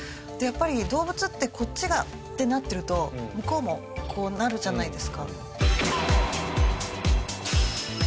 やっぱり動物ってこっちがってなってると向こうもこうなるじゃないですか。